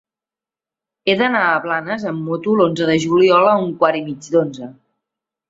He d'anar a Blanes amb moto l'onze de juliol a un quart i mig d'onze.